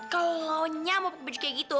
kalau nyamuk baju kayak gitu